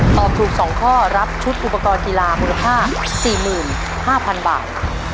ตอบถูก๒ข้อรับชุดอุปกรณ์กีฬามูลค่า๔๕๐๐๐บาท